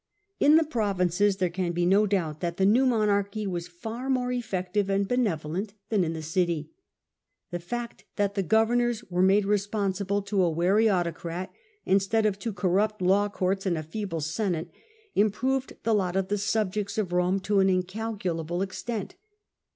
In the Provinces there can be no doubt that the new monarchy was far more effective and benevolent than in the City. The fact that the governors were made re sponsible to a wary autocrat, instead of to corrupt law courts and a feeble Senate, improved the lot of the subjects of Eome to an incalculable extent.